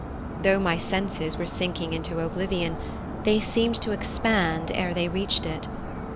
Though my senses were sinking into oblivion, they seemed to expand ere they reached it.